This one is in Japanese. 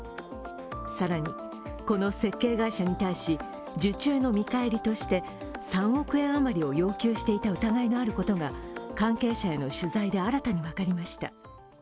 更にこの設計会社に対し受注の見返りとして３億円あまりを要求していた疑いもあることが関係者への取材で新たに分かりました。